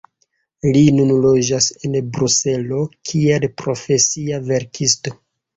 Li nun loĝas en Bruselo kiel profesia verkisto.